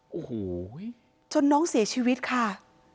โอ้โหจนน้องเสียชีวิตค่ะ